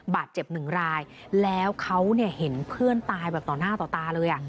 บาดเจ็บ๑รายแล้วเขาเห็นเพื่อนตายต่อหน้าต่อตาเลย